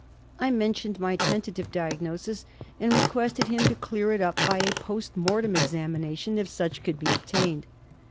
I mentioned my tentative diagnosis, and re quested him to clear it up by a post mortem examination if such could be obtained.